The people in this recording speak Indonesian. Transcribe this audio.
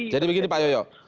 jadi begini pak yoyo